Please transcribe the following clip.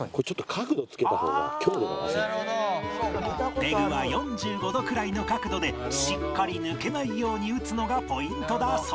ペグは４５度くらいの角度でしっかり抜けないように打つのがポイントだそう